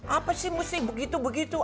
apa sih mesti begitu begitu